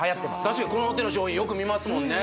確かにこのての商品よく見ますもんね